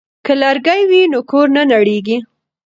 که لرګی وي نو کور نه نړیږي.